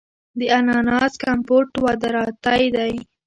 د اناناس کمپوټ وارداتی دی.